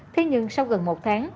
thế nhưng sau gần một tháng